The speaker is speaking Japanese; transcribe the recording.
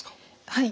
はい。